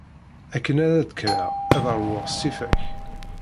Akken ara d-kkreɣ, ad ṛwuɣ ṣṣifa-k.